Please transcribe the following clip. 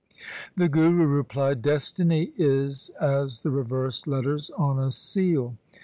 The Guru replied, 'Destiny is as the reversed letters on a seal.